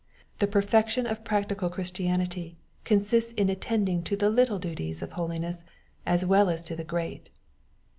The perfection of practical Christianity consists in attending to the little duties of holiness as weU as to the great.